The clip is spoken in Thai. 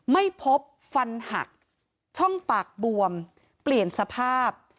ไม่พบฟันหักช่องปากบวมเปลี่ยนสภาพ